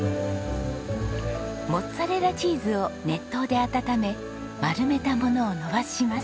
モッツァレラチーズを熱湯で温め丸めたものを延ばします。